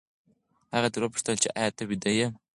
هغه ترې وپوښتل چې ایا ته ویده یې؟